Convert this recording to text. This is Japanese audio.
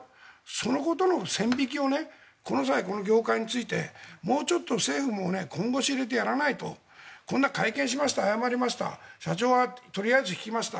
そのことの線引きをこの際、この業界についてもうちょっと政府も本腰を入れてやらないと会見やって、謝りました社長はとりあえず引きました。